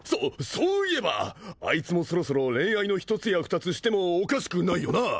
そういえばあいつもそろそろ恋愛の一つや二つしてもおかしくないよな？